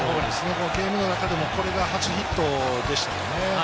ゲームの中でもこれが初ヒットでしたからね。